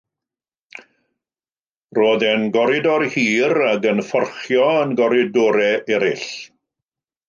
Roedd e'n goridor hir ac yn fforchio yn goridorau eraill.